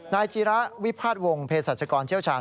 จีระวิพาทวงศ์เพศรัชกรเชี่ยวชาญ